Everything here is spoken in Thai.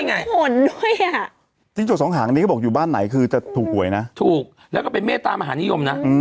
หาจิ้งจกสองหางอยู่ที่อำเภอวิทยาลัยบูริจาวัดพพครับ